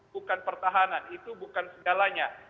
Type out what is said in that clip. bukan pertahanan itu bukan segalanya